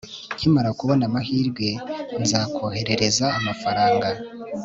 nkimara kubona amahirwe, nzakoherereza amafaranga